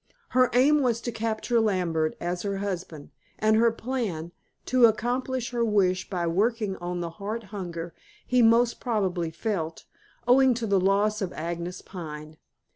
Her aim was to capture Lambert as her husband; and her plan, to accomplish her wish by working on the heart hunger he most probably felt, owing to the loss of Agnes Pine.